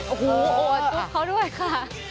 โอ้โหสุดเข้าด้วยค่ะ